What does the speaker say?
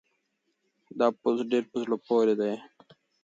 دا پوسټ ډېر په زړه پورې دی.